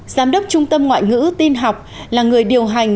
giám đốc trung tâm ngoại ngữ tin học là người điều hành